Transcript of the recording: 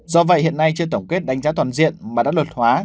do vậy hiện nay chưa tổng kết đánh giá toàn diện mà đã luật hóa